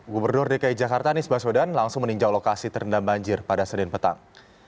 gubernur dki jakarta anies baswedan langsung meninjau lokasi terendam banjir pada senin petang